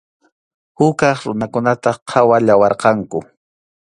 Huk kaq runakunataq qhawallawarqanku.